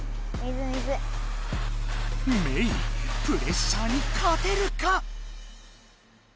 メイプレッシャーに勝てるか？